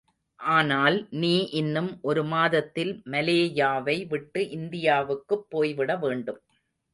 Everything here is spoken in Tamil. ஆனால் நீ இன்னும் ஒரு மாதத்தில் மலேயாவை விட்டு இந்தியாவுக்குப் போய்விடவேண்டும்.